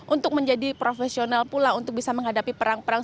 untuk menjadi profesional pula untuk bisa menghadapi perang perang